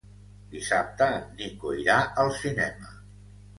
Dissabte en Nico irà al cinema.